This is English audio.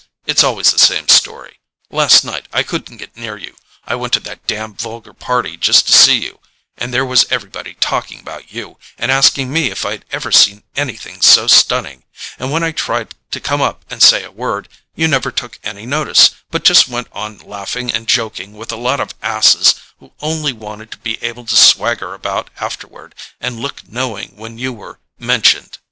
It's always the same story. Last night I couldn't get near you—I went to that damned vulgar party just to see you, and there was everybody talking about you, and asking me if I'd ever seen anything so stunning, and when I tried to come up and say a word, you never took any notice, but just went on laughing and joking with a lot of asses who only wanted to be able to swagger about afterward, and look knowing when you were mentioned."